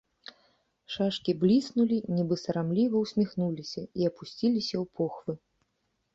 Шашкі бліснулі, нібы сарамліва ўсміхнуліся, і апусціліся ў похвы.